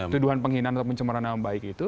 tuduhan penghinaan atau pencemaran nama baik itu